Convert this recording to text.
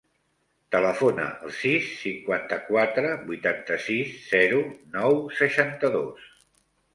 Telefona al sis, cinquanta-quatre, vuitanta-sis, zero, nou, seixanta-dos.